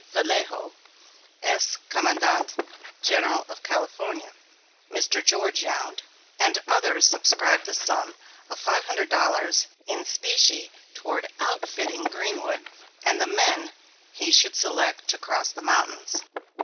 Vallejo, Ex Commandante General of California; Mr. George Yount, and others subscribed the sum of five hundred dollars in specie toward outfitting Greenwood and the men he should select to cross the mountains.